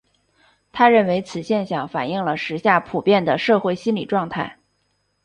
他认为此现象反映了时下普遍的社会心理状态。